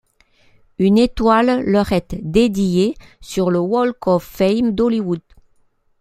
Une étoile leur est dédiée sur le Walk of Fame d'Hollywood.